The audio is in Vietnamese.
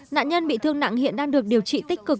nạn nhân bị thương nặng hiện đang được điều trị tích cực